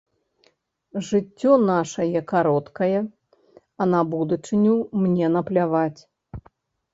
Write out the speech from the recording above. Жыццё нашае кароткае, а на будучыню мне напляваць.